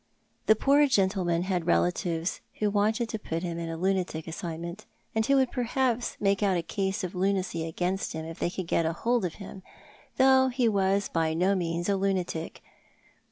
The poor gentleman had relatives who wanted to put him in a lunatic asylum, and who would perhaps make out a case of lunacy against him if they could get hold of him, though he was by no means a lunatic.